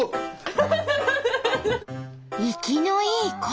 生きのいい鯉。